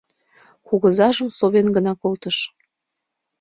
Кугызажым совен гына колтыш.